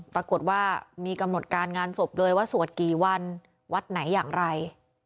ปรากฏว่ามีกำหนดการงานศพเลยว่าสวดกี่วันวัดไหนอย่างไร